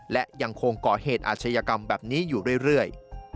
และยังคงก่อเหตุอาชญากรรมแบบนี้อยู่เรื่อย